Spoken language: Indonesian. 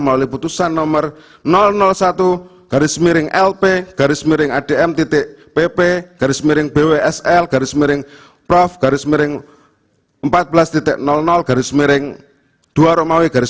melalui putusan nomor satu lp adm pp bwsl prof empat belas dua rw dua ribu dua puluh empat tanggal enam maret dua ribu dua puluh empat